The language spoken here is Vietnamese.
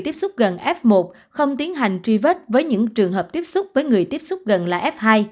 tiếp xúc gần f một không tiến hành truy vết với những trường hợp tiếp xúc với người tiếp xúc gần là f hai